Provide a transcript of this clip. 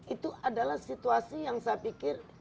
itu adalah situasi yang saya pikir is out of logic